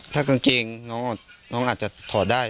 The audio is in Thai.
ถ้ากางเกงน้องอาจจะถอดได้